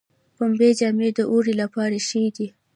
پنبې جامې د اوړي لپاره ښې دي